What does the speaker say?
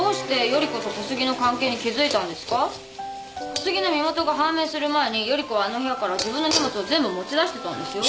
小杉の身元が判明する前に頼子はあの部屋から自分の荷物を全部持ち出してたんですよ。